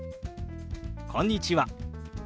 「こんにちは」。